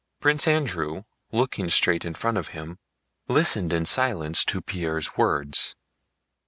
Prince Andrew, looking straight in front of him, listened in silence to Pierre's words.